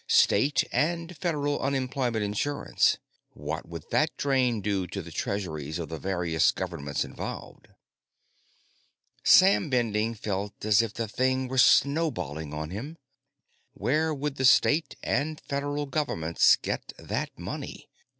State and Federal Unemployment Insurance. What would that drain do to the treasuries of the various governments involved? Sam Bending felt as if the thing were snowballing on him. Where would the State and Federal Governments get that money?